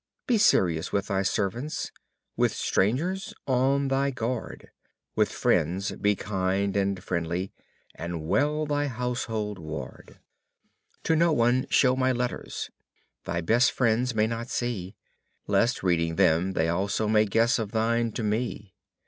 Be serious with thy servants, with strangers on thy guard, With friends be kind and friendly, and well thy household ward, To no one show my letters, thy best friends may not see. Lest reading them they also may guess of thine to me.